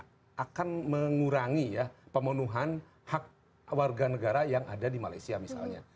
karena akan mengurangi ya pemenuhan hak warga negara yang ada di malaysia misalnya